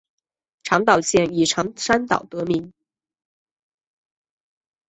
长岛县以长山岛得名。